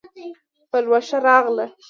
پلوشه راغله